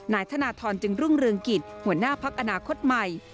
นายธนทรจึงรุ่งเรืองกิจหัวหน้าพักอนาคตใหม่